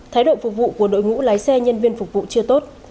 thái độ phục vụ của đội ngũ lái xe nhân viên phục vụ chưa tốt